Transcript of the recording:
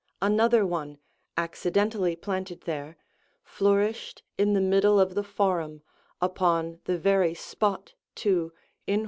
Another one, accidentally planted there, flourished in the middle of the Forum,75 upon the very spot, too, in.